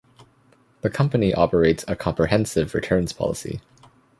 The company operates a comprehensive returns policy.